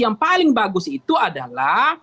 yang paling bagus itu adalah